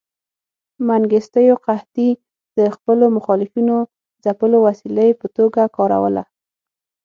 منګیستیو قحطي د خپلو مخالفینو ځپلو وسیلې په توګه کاروله.